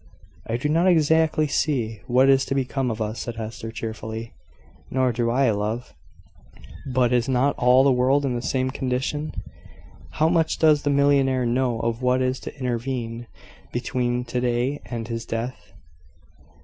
"I do not exactly see what is to become of us," said Hester, cheerfully. "Nor do I, love: but is not all the world in the same condition? How much does the millionaire know of what is to intervene between to day and his death?"